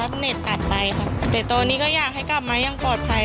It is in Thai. เน็ตอัดไปค่ะแต่ตอนนี้ก็อยากให้กลับมาอย่างปลอดภัย